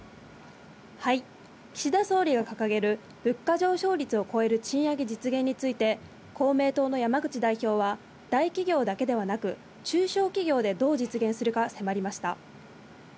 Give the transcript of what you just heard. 岸田総理が掲げる物価上昇率を超える賃上げ実現について、公明党の山口代表は、大企業だけではなく、中小企業でどう実現するか迫りました。